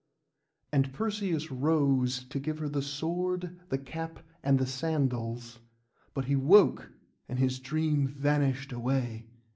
And Perseus rose to give her the sword, and the cap, and the sandals; but he woke, and his dream vanished away.